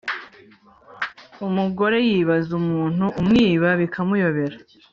Umugore yibaza umuntu umwiba bikamuyobera